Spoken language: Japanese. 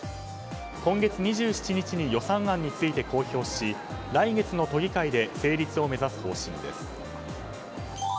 今月２７日に予算案について公表し、来月の都議会で成立を目指す方針です。